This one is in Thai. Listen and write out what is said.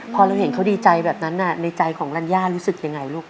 พอเราเห็นเขาดีใจแบบนั้นในใจของลัญญารู้สึกยังไงลูก